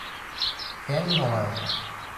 Ken Noel